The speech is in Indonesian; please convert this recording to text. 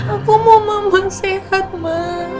aku mau mama sehat ma